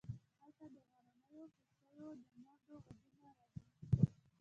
هلته د غرنیو هوسیو د منډو غږونه راځي